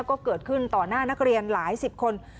ก็เกิดขึ้นต่อหน้านักเรียนหลายสิบคน